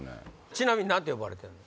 ちなみに何て呼ばれてるの？